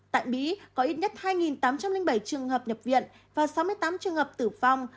tại mỹ có ít nhất hai tám trăm linh bảy trường hợp nhập viện và sáu mươi tám trường hợp tử vong